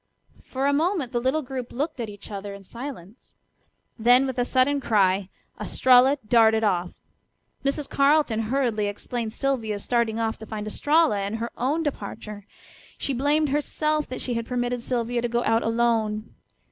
For a moment the little group looked at each other in silence. Then with a sudden cry Estralla darted off. Mrs. Carleton hurriedly explained Sylvia's starting off to find Estralla, and her own departure. She blamed herself that she had permitted Sylvia to go out alone.